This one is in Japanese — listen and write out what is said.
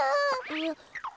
えっ？